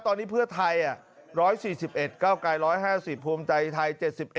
ตอนนี้เพื่อไทย๑๔๑เก้าไกร๑๕๐ภูมิใจไทย๗๑